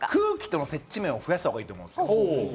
空気との接地面を増やしたほうがいいと思うんです。